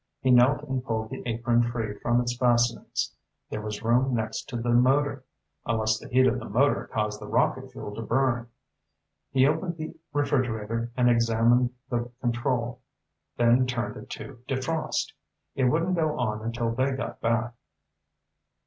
He knelt and pulled the apron free from its fastenings. There was room next to the motor unless the heat of the motor caused the rocket fuel to burn. He opened the refrigerator and examined the control, then turned it to "defrost." It wouldn't go on until they got back.